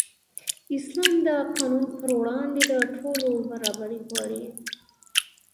اسلام د قانون پر وړاندې د ټولو برابري غواړي.